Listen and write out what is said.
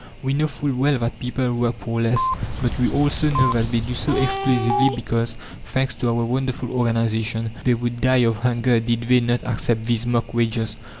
We know full well that people work for less, but we also know that they do so exclusively because, thanks to our wonderful organization, they would die of hunger did they not accept these mock wages.